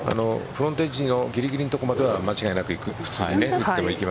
フロントエッジのぎりぎりのところまでは間違いなくいく。